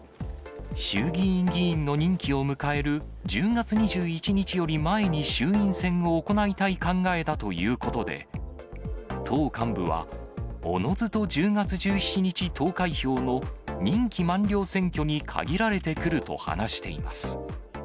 衆議院議員の任期を迎える１０月２１日より前に衆院選を行いたい考えだということで、党幹部は、おのずと１０月１７日投開票の任期満了選挙に限られてくると話しています。